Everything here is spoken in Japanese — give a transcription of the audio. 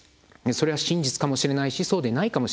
それは真実かもしれないしそうでないかもしれない。